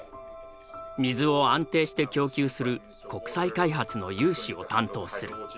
水を安定して供給する国際開発の融資を担当する。